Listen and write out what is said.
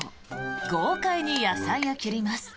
豪快に野菜を切ります。